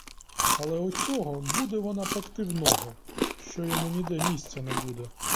Але оцього буде вона пекти в ноги, що йому ніде місця не буде.